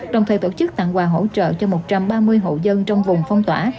đồng thời tổ chức tặng quà hỗ trợ cho một trăm ba mươi hộ dân trong vùng phong tỏa